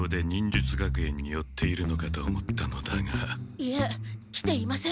いえ来ていません。